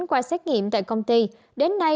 qua xét nghiệm tại công ty đến nay